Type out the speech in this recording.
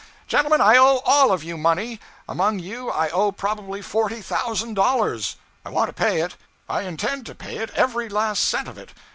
Gentlemen, I owe all of you money; among you I owe probably forty thousand dollars. I want to pay it; I intend to pay it every last cent of it.